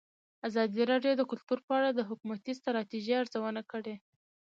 ازادي راډیو د کلتور په اړه د حکومتي ستراتیژۍ ارزونه کړې.